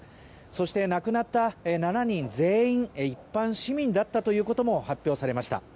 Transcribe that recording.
そして、亡くなった７人全員は一般市民だったということも発表されました。